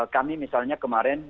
kami misalnya kemarin